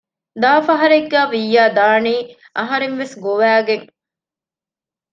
ދާ ފަހަރެއްގަ ވިއްޔާ ދާނީ އަހަރެންވެސް ގޮވައިގެން